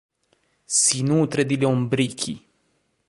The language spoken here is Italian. Si nutre di lombrichi.